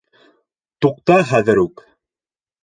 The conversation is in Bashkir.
Туҡта хәҙер үк!